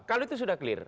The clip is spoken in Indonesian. kalau itu sudah clear